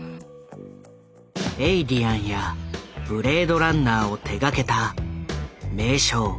「エイリアン」や「ブレードランナー」を手がけた名匠